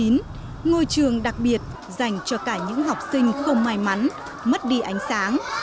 ngôi trường đặc biệt dành cho cả những học sinh không may mắn mất đi ánh sáng